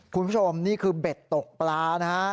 คุณผู้ชมนี่คือเบ็ดตกปลานะฮะ